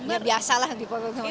ya biasa lah di pokok ketua balik